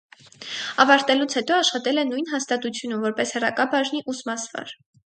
Ավարտելուց հետո աշխատել է նույն հաստատությունում որպես հեռակա բաժնի ուսմասվար։